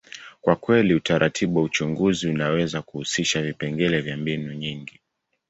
kwa kweli, utaratibu wa uchunguzi unaweza kuhusisha vipengele vya mbinu nyingi.